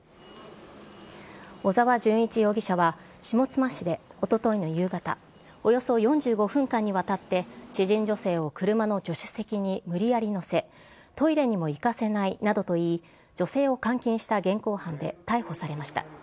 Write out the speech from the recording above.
小沢純一容疑者は、下妻市でおとといの夕方、およそ４５分間にわたって知人女性を車の助手席に無理やり乗せ、トイレにも行かせないなどと言い、女性を監禁した現行犯で逮捕されました。